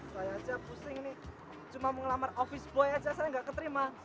saya aja pusing nih cuma mau ngelamar office boy aja saya gak keterima